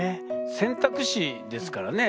選択肢ですからね